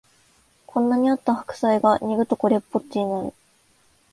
こんなにあった白菜が煮るとこれっぽっちになる